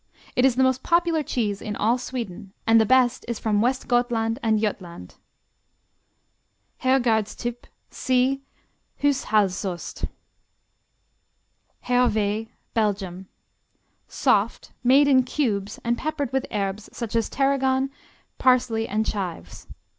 It is the most popular cheese in all Sweden and the best is from West Gothland and Jutland. Herrgårdstyp see Hushållsost. Hervé Belgium Soft; made in cubes and peppered with herbes such as tarragon, parsley and chives.